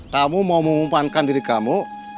kamu mau mengumpankan diri kamu